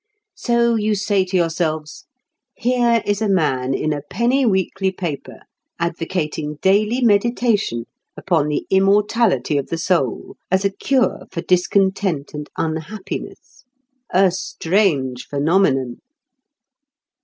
So you say to yourselves: "Here is a man in a penny weekly paper advocating daily meditation upon the immortality of the soul as a cure for discontent and unhappiness! A strange phenomenon!"